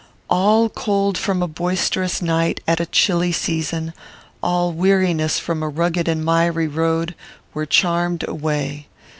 All cold from a boisterous night, at a chilly season, all weariness from a rugged and miry road, were charmed away.